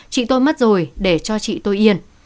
chị tôi mất rồi để cho chị tôi yên